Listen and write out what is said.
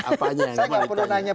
apa aja yang kamu lakukan